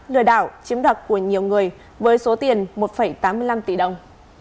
đào tạo chiếm đặt của nhiều người với số tiền một tám mươi năm tỷ đồng